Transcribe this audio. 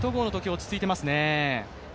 落ち着いていますね。